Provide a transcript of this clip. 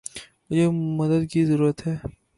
مجھے مدد کی ضرورت ہے۔